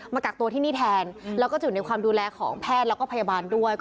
กักตัวที่นี่แทนแล้วก็จะอยู่ในความดูแลของแพทย์แล้วก็พยาบาลด้วย